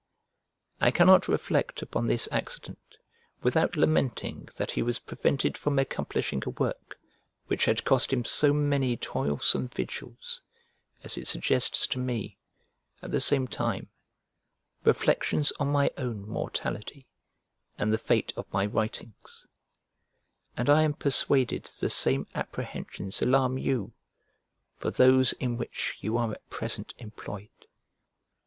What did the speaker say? I cannot reflect upon this accident without lamenting that he was prevented from accomplishing a work which had cost him so many toilsome vigils, as it suggests to me, at the same time, reflections on my own mortality, and the fate of my writings: and I am persuaded the same apprehensions alarm you for those in which you are at present employed.